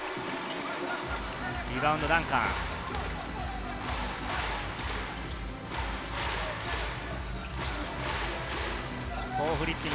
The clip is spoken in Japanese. リバウンドはダンカン。